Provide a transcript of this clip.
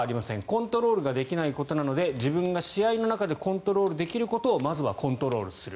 コントロールができないことなので自分が試合の中でコントロールできることをまずはコントロールする。